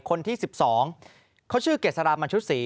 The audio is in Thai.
คนที่๑๒เขาชื่อเกษรามันชุดศรี